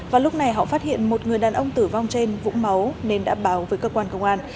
và lúc này họ phát hiện một người đàn ông tử vong trên vũ máu nên đã báo với cơ quan công an